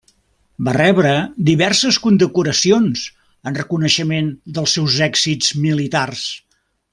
Va rebre diverses condecoracions en reconeixement dels seus èxits militars.